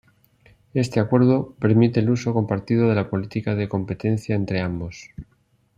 Este acuerdo permite el uso compartido de la política de competencia entre ambos.